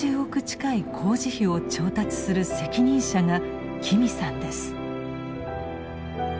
近い工事費を調達する責任者が紀美さんです。